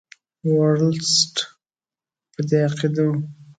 ورلسټ په دې عقیده وو.